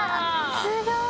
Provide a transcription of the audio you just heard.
すごい！